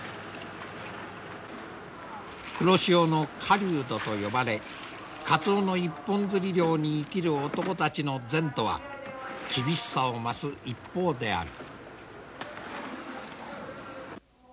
黒潮の狩人と呼ばれカツオの一本づり漁に生きる男たちの前途は厳しさを増す一方である。